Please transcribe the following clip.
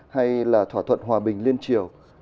hay là thỏa thuận hòa bình liên triều